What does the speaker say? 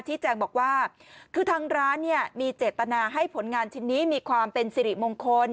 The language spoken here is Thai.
แจ้งบอกว่าคือทางร้านเนี่ยมีเจตนาให้ผลงานชิ้นนี้มีความเป็นสิริมงคล